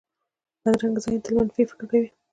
بدرنګه ذهن تل منفي فکر کوي